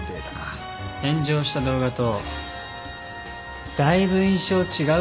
炎上した動画とだいぶ印象違うっすねぇ